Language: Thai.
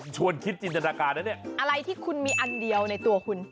ชวนคิดจินตนาการนะเนี่ยอะไรที่คุณมีอันเดียวในตัวคุณ